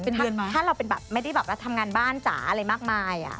เป็นเดือนมั้ยถ้าเราไม่ได้ทำงานบ้านจ๋าอะไรมากมาย